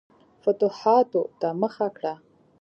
فتوحاتو ته مخه کړه.